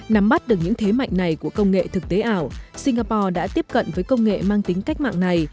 nắm bắt được những thế mạnh này của công nghệ thực tế ảo singapore đã tiếp cận với công nghệ mang tính cách mạng này